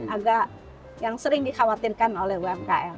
agak yang sering dikhawatirkan oleh umkm